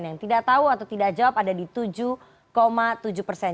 yang tidak tahu atau tidak jawab ada di tujuh tujuh persen